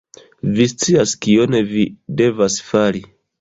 vi scias kion vi devas fari